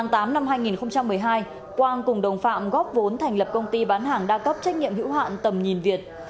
tháng tám năm hai nghìn một mươi hai quang cùng đồng phạm góp vốn thành lập công ty bán hàng đa cấp trách nhiệm hữu hạn tầm nhìn việt